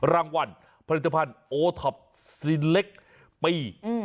รางวัลผลิตภัณฑ์โอท็อปซีนเล็กปี